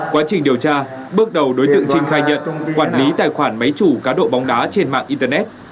quá trình điều tra bước đầu đối tượng trinh khai nhận quản lý tài khoản máy chủ cá độ bóng đá trên mạng internet